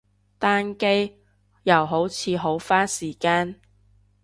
單機，又好似好花時間